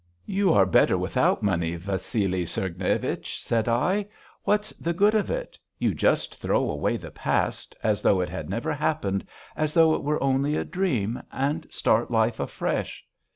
'You are better without money, Vassili Sergnevich,' said I. 'What's the good of it? You just throw away the past, as though it had never happened, as though it were only a dream, and start life afresh.